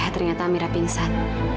ternyata amira pingsan